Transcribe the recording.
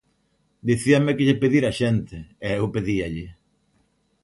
Dicíanme que lle pedira á xente e eu pedíalle.